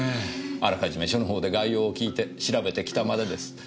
あらかじめ署のほうで概要を聞いて調べてきたまでです。